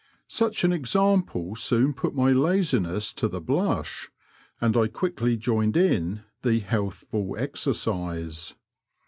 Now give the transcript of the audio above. Such an example soon put my laziness to the blush, and I quickly joined in the healthful exercise.